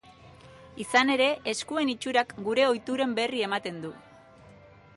Izan ere, eskuen itxurak gure ohituren berri ematen du.